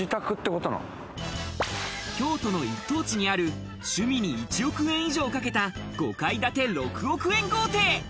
京都の一等地にある趣味に１億円以上かけた５階建て６億円豪邸。